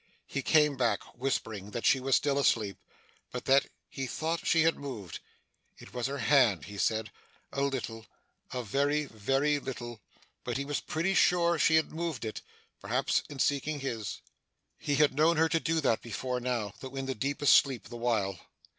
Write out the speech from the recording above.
He came back, whispering that she was still asleep, but that he thought she had moved. It was her hand, he said a little a very, very little but he was pretty sure she had moved it perhaps in seeking his. He had known her do that, before now, though in the deepest sleep the while.